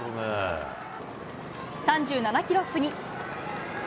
３７キロ過ぎ。